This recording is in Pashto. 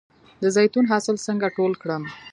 د زیتون حاصل څنګه ټول کړم؟